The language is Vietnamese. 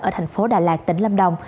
ở thành phố đà lạt tỉnh lâm đồng